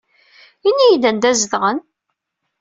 Ini-iyi-d anda ay zedɣen.